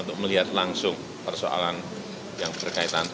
untuk melihat langsung persoalan yang berkaitan